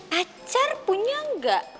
pacar punya gak